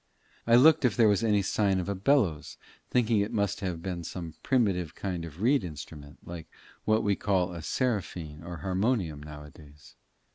I looked if there was any sign of a bellows, thinking it must have been some primitive kind of reed instrument, like what we call a seraphine or harmonium now a days.